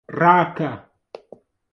ڕاکە!